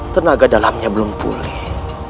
tenaga dalamnya belum pulih